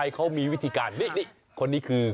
เฉพาะบ้านเรียกตุ๊กเข้